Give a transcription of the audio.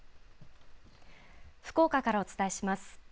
福岡からお伝えします。